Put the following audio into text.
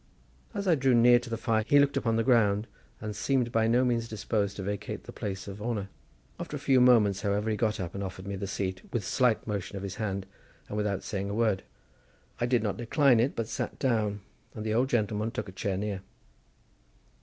As I drew near to the fire he looked upon the ground, and seemed by no means disposed to vacate the place of honour; after a few moments, however, he got up and offered me the seat with a slight motion of his hand and without saying a word. I did not decline it, but sat down, and the old gentleman took a chair near.